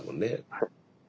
はい。